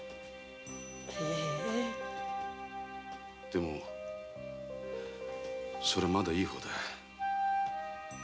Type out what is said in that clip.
でもそりゃまだいい方だ。